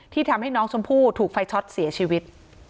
ทำให้น้องชมพู่ถูกไฟช็อตเสียชีวิต